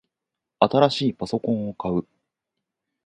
新しいパソコンを買う